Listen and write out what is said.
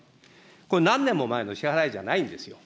これは何年も前の支払いじゃないんですよ。